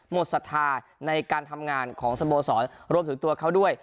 ศรัทธาในการทำงานของสโมสรรวมถึงตัวเขาด้วย